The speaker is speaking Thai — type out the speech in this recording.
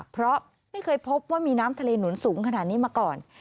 เพราะไม่เคยพบว่ามีน้ำทะเลหนุนสูงขนาดนี้มาก่อน